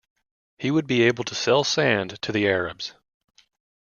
He would be able to sell sand to the Arabs.